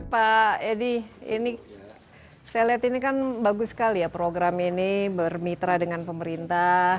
pak edi ini saya lihat ini kan bagus sekali ya program ini bermitra dengan pemerintah